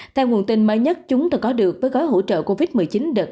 theo nguồn tin mới nhất chúng tôi có được với gói hỗ trợ covid một mươi chín đợt